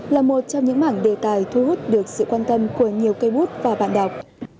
là một trong những mảng đề tài thu hút được sự quan tâm của nhiều cây bút và bạn đọc